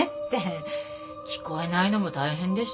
聞こえないのも大変でしょ。